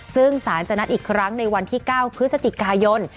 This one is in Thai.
ซึ่งสารจะนัดอีกครั้งในวันที่๙พฤศจิกายน